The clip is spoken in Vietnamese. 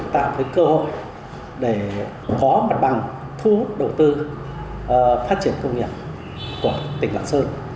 tạo cơ hội để có mặt bằng thu hút đầu tư phát triển công nghiệp của tỉnh lạng sơn